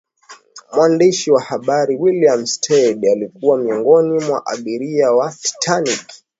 mwandishi wa habari william stead alikuwa miongoni mwa abiria wa titanic